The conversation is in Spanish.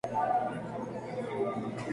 Desempeñó diversos servicios castrenses.